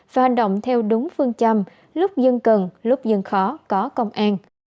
và hành động theo đúng phương châm lúc dân cần lúc dân khó có công an